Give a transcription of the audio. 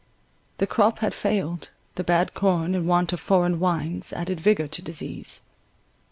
The crop had failed, the bad corn, and want of foreign wines, added vigour to disease.